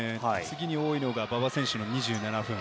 次に多いのが馬場選手の２７分。